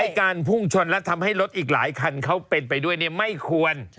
การพุ่งชนและทำให้รถอีกหลายคันเขาเป็นไปด้วยไม่ควร